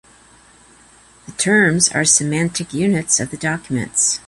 The terms are semantic units of the documents.